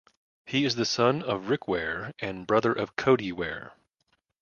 He is the son of Rick Ware and brother of Cody Ware.